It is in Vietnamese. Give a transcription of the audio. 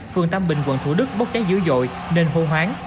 phường tam bình quận thủ đức bốc cháy dữ dội nên hô hoáng